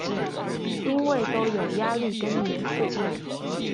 因為都有壓力跟流速